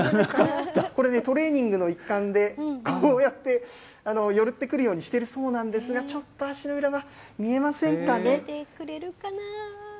これね、トレーニングの一環で、こうやって寄ってくるようにしてるそうなんですが、ちょっと足の見せてくれるかな？